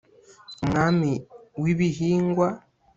umwami wibihingwa